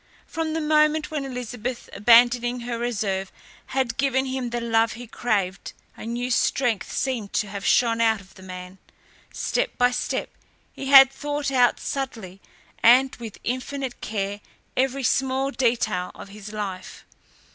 From the moment when Elizabeth, abandoning her reserve, had given him the love he craved, a new strength seemed to have shone out of the man. Step by step he had thought out subtly and with infinite care every small detail of his life.